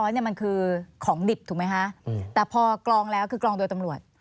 มันคือของดิบถูกไหมคะแต่พอกรองแล้วคือกรองโดยตำรวจ